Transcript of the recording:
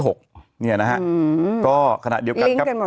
ก็ขนาดเดียวกันครับ